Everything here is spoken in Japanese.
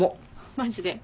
マジで？